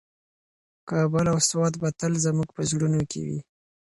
کابل او سوات به تل زموږ په زړونو کې وي.